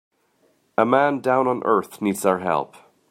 A man down on earth needs our help.